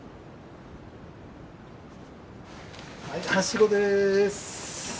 はいはしごです。